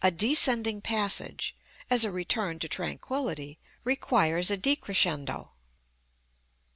A descending passage, as a return to tranquillity, requires a decrescendo.